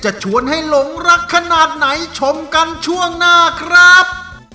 ชวนให้หลงรักขนาดไหนชมกันช่วงหน้าครับ